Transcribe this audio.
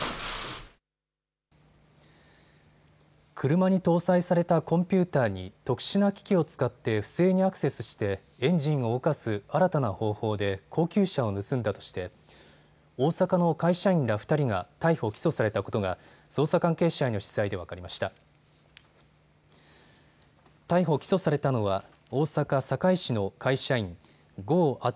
車に搭載されたコンピューターに特殊な機器を使って不正にアクセスしてエンジンを動かす新たな方法で高級車を盗んだとして大阪の会社員ら２人が逮捕・起訴されたことが捜査関係者への取材で分かりました。